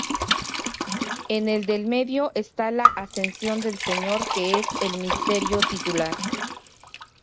En el del medio está la ascensión del Señor que es el misterio titular.